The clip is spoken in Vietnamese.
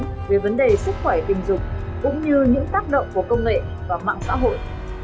về con cái về vấn đề sức khỏe tình dục cũng như những tác động của công nghệ và mạng xã hội